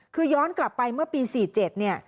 คือย้อนกลับไปเมื่อปี๔๗เนี่ย